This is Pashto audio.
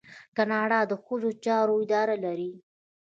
کاناډا د ښځو چارو اداره لري.